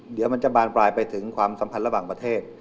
เดี๋ยวมันจะบานปลายไปถึงความสัมพันธ์ระหว่างประเทศ